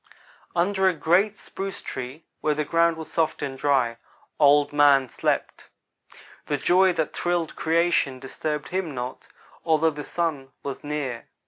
"Under a great spruce tree where the ground was soft and dry, Old man slept. The joy that thrilled creation disturbed him not, although the Sun was near.